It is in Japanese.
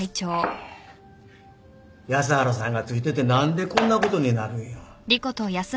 安原さんが付いてて何でこんなことになるんや。